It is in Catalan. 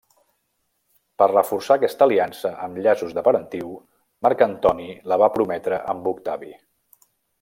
Per reforçar aquesta aliança amb llaços de parentiu, Marc Antoni la va prometre amb Octavi.